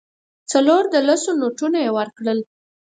څلور د لسو نوټونه یې ورکړل.